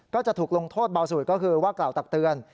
ก็จะถูกลงโทษเบาสูตรก็คือว่ากล่าวตักเตือน